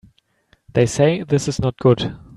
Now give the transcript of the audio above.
They say this is not good.